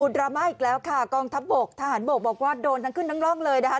ดราม่าอีกแล้วค่ะกองทัพบกทหารบกบอกว่าโดนทั้งขึ้นทั้งร่องเลยนะคะ